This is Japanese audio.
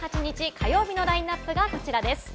火曜日のラインナップがこちらです。